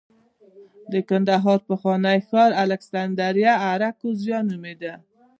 د کندهار پخوانی ښار الکسندریه اراکوزیا نومېده